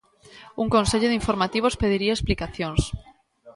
Un Consello de Informativos pediría explicacións.